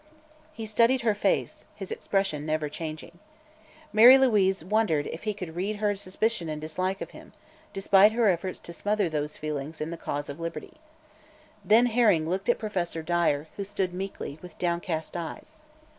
He studied her face, his expression never changing. Mary Louise wondered if he could read her suspicion and dislike of him, despite her efforts to smother those feelings in the cause of Liberty. Then Herring looked at Professor Dyer, who stood meekly, with downcast eyes.